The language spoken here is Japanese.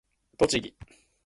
栃木